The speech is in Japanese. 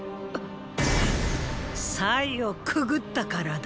“祭”をくぐったからだ。